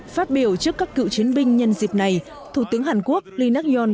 phát biểu trước các cựu chiến binh nhân dịp này thủ tướng hàn quốc lee nak yong